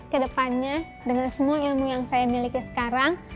kedepannya dengan semua ilmu yang saya miliki sekarang